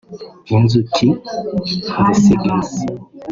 Inzuki Designs